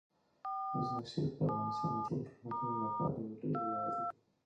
مزارشریف د افغانستان د ټولو هیوادوالو لپاره یو لوی ویاړ دی.